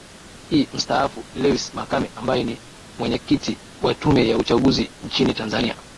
i mstaafu lewis makame ambaye ni mwenyekiti wa tume ya uchanguzi nchini tanzania